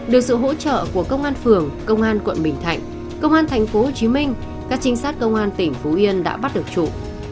được sự hỗ trợ của công an phường công an quận bình thạnh công an thành phố hồ chí minh các trinh sát công an tỉnh phú yên đã bắt được trụ